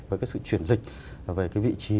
với cái sự chuyển dịch về cái vị trí